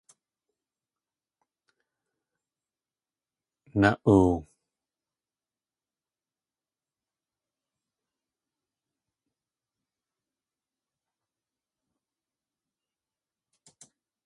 Na.oo!